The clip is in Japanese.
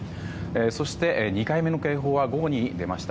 そして２回目の警報は午後に出ました。